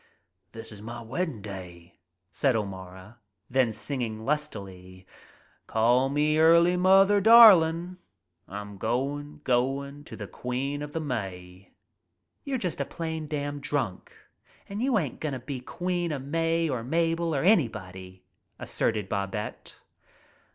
"This 's my weddin' day," said O'Mara. Then singing lustily: "Call me early, mother, darling, I'm goin' — goin' — t' be queen o' th' May." "You're just a plain damn drunk an' you ain't gonna be queen o' May or Mabel or an asserted Babette.